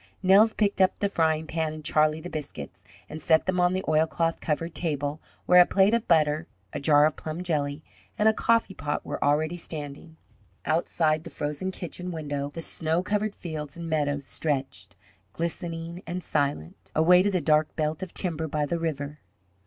Nels picked up the frying pan and Charlie the biscuits, and set them on the oilcloth covered table, where a plate of butter, a jar of plum jelly, and a coffee pot were already standing. Outside the frozen kitchen window the snow covered fields and meadows stretched, glistening and silent, away to the dark belt of timber by the river.